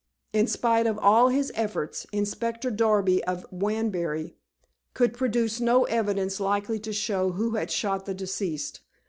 In spite of all his efforts, Inspector Darby, of Wanbury, could produce no evidence likely to show who had shot the deceased.